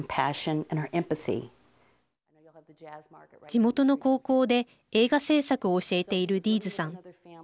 地元の高校で映画制作を教えているディーズさん。